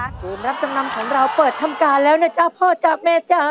เกมรับจำนำของเราเปิดทำการแล้วนะจ๊ะพ่อจ๊ะแม่จ้า